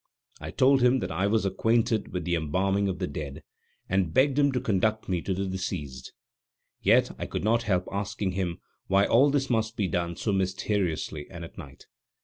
I told him that I was acquainted with the embalming of the dead, and begged him to conduct me to the deceased. Yet I could not help asking him why all this must be done so mysteriously and at night?